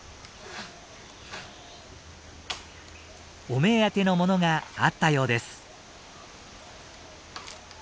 お目当てのものがあったようです。